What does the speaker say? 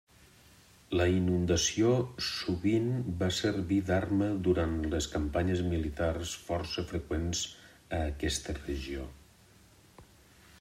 La inundació sovint va servir d'arma durant les campanyes militars força freqüents a aquesta regió.